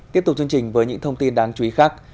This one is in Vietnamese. tiếp tục chương trình với những thông tin đáng chú ý khác